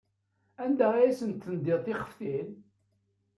Anda ay asent-tendiḍ tifextin?